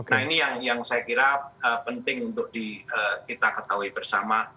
nah ini yang saya kira penting untuk kita ketahui bersama